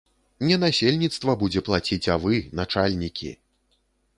Не насельніцтва будзе плаціць, а вы, начальнікі.